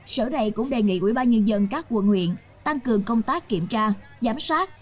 sở này cũng đề nghị ubnd các quân huyện tăng cường công tác kiểm tra giám sát